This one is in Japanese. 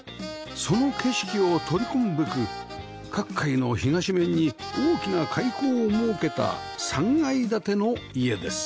その景色を取り込むべく各階の東面に大きな開口を設けた３階建ての家です